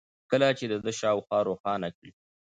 كله چي د ده شا و خوا روښانه كړي